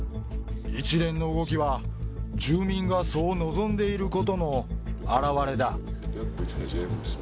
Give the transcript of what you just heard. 一連の動きは、住民がそう望んでいることの表れだ。